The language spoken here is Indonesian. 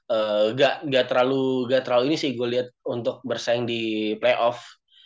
eh gak gak terlalu gak terlalu ini sih gue liat untuk bersaing di playoff